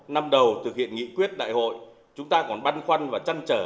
năm đầu thực hiện nghị quyết đại hội chúng ta còn băn khoăn và chăn trở